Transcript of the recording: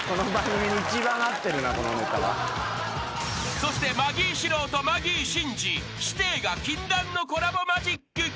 ［そしてマギー司郎とマギー審司師弟が禁断のコラボマジック］